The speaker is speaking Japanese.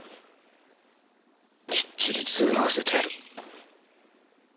きっちり償わせてやる。